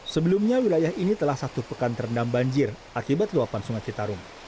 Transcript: sebelumnya wilayah ini telah satu pekan terendam banjir akibat luapan sungai citarum